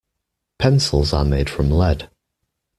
Pencils are made from lead.